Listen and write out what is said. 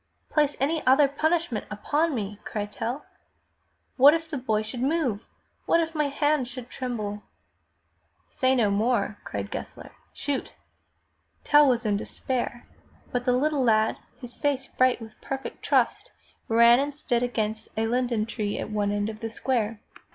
"Place any other punishment upon me!" cried Tell. *'What if the boy should move? What if my hand should tremble?" "Say no more!" cried Gessler. "Shoot!" Tell was in despair, but the little lad, his face bright with perfect trust, ran and stood against a linden tree at one end of the square.